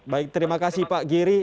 baik terima kasih pak giri